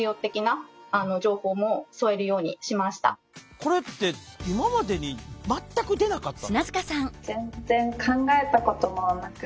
これって今までに全く出なかったの？